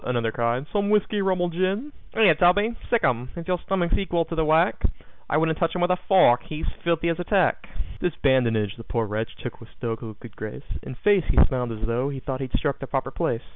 another cried. "Some whiskey, rum or gin?" "Here, Toby, sic 'em, if your stomach's equal to the work I wouldn't touch him with a fork, he's filthy as a Turk." This badinage the poor wretch took with stoical good grace; In face, he smiled as tho' he thought he'd struck the proper place.